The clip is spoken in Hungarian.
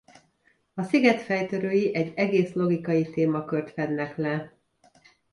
A sziget fejtörői egy egész logikai témakört fednek le.